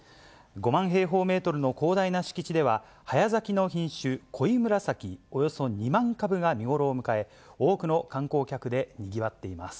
５万平方メートルの広大な敷地では、早咲きの品種、こいむらさきおよそ２万株が見頃を迎え、多くの観光客でにぎわっています。